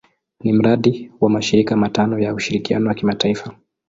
Ni mradi wa mashirika matano ya ushirikiano wa kimataifa.